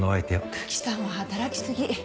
九鬼さんは働きすぎ。